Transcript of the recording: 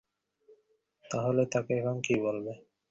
তাহলে, তাকে এখন কী বলবে?